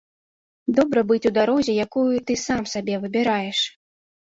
Добра быць у дарозе, якую ты сам сабе выбіраеш